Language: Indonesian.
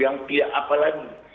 yang tidak apa lagi